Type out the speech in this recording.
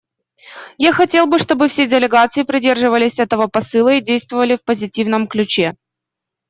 Я хотел бы, чтобы все делегации придерживались этого посыла и действовали в позитивном ключе.